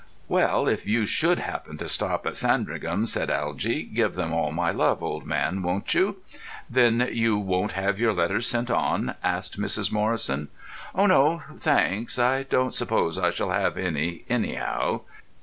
"Well, if you should happen to stop at Sandringham," said Algy, "give them all my love, old man, won't you?" "Then you won't have your letters sent on?" asked Mrs. Morrison. "Oh no, thanks. I don't suppose I shall have any, anyhow."